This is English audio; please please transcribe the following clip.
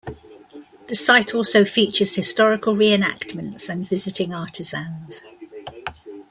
The site also features historical re-enactments and visiting artisans.